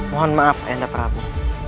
mohon maaf ayahanda prabu